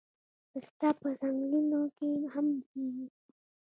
پسته په ځنګلونو کې هم کیږي